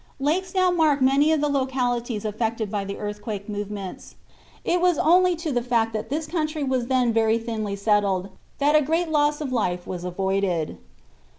Lakes now mark many of the localities affected by the earthquake movements. It is only to the fact that this country was then very thinly settled that a great loss of life was avoided.